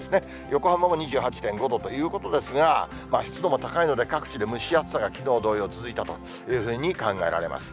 横浜も２８．５度ということですが、湿度も高いので、各地で蒸し暑さがきのう同様続いたというふうに考えられます。